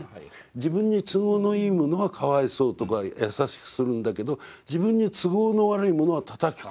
自分に都合のいいものはかわいそうとか優しくするんだけど自分に都合の悪いものはたたき殺すと。